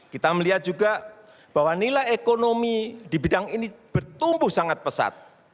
kita melihat juga bahwa nilai ekonomi di bidang ini bertumbuh sangat pesat